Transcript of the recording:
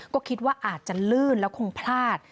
ก็คิดว่าอาจจะลื่นแล้วคงพลาด